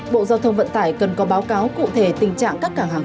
bộ giao thông vận tải cần có báo cáo cụ thể tình trạng các hàng hàng